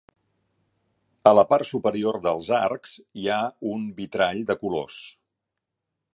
A la part superior dels arcs hi ha un vitrall de colors.